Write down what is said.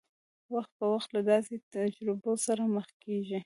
وخت په وخت له داسې تجربو سره مخ کېږي.